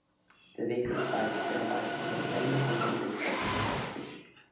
Der Weg ist weit, sehr weit, aber das Ende kommt in Sicht.